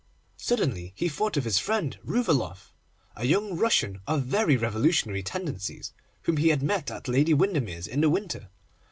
Suddenly he thought of his friend Rouvaloff, a young Russian of very revolutionary tendencies, whom he had met at Lady Windermere's in the winter.